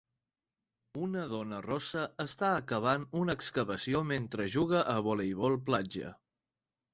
Una dona rossa està acabant una excavació mentre juga a voleibol platja.